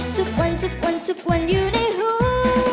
ทุกวันทุกวันทุกวันอยู่ในหู